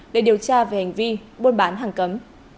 để điều tra về hành vi buôn bán hàng cấm